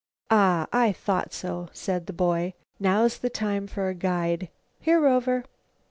"Ah! I thought so," said the boy. "Now's the time for a guide. Here, Rover!"